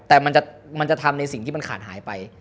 แต่มันจะทำในสิ่งที่มันขาดหายไป